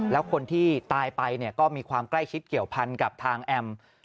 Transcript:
แล้วคนที่ตายไปก็มีความใกล้ชิดเกี่ยวพันกับทางแอม